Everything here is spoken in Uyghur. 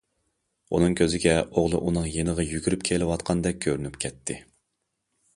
ئۇنىڭ كۆزىگە ئوغلى ئۇنىڭ يېنىغا يۈگۈرۈپ كېلىۋاتقاندەك كۆرۈنۈپ كەتتى.